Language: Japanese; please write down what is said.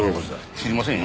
知りませんよ。